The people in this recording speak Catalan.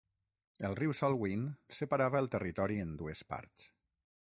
El riu Salween separava el territori en dues parts.